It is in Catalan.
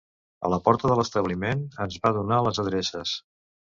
A la porta de l’establiment ens vam donar les adreces.